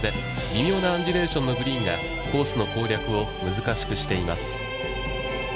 微妙なアンジュレーションのグリーンがコースの攻略を難しくしています。